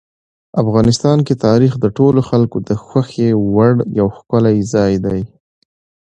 افغانستان کې تاریخ د ټولو خلکو د خوښې وړ یو ښکلی ځای دی.